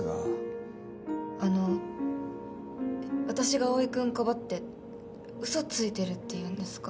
あの私が蒼くんかばって嘘ついてるって言うんですか？